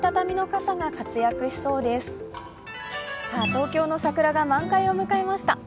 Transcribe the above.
東京の桜が満開を迎えました。